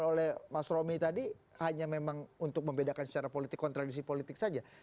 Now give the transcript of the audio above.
oleh mas romi tadi hanya memang untuk membedakan secara politik kontradiksi politik saja